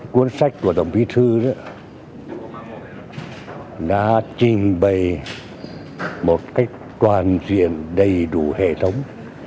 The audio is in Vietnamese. cuốn sách của tổng bí thư đã trình bày một cách toàn diện đầy đủ hệ thống